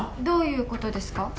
どういうことですか？